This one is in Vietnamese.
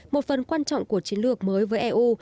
một phần quan trọng của chiến lược mới với eu